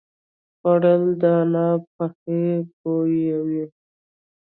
خوړل د انا پخلی بویوي